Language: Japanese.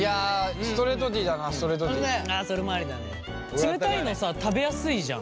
冷たいのさ食べやすいじゃん。